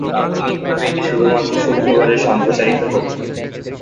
প্রাথমিকভাবে এটি শুধুমাত্র শুক্রবারে সম্প্রচারিত হত।